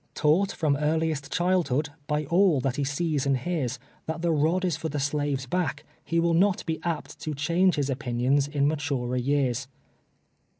Taught from earliest childhood, by all that he sees and hears, that the rod is for the slave's hack, he will not be apt to change his opinions in maturer years.